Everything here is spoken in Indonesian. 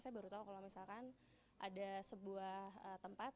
saya baru tahu kalau misalkan ada sebuah tempat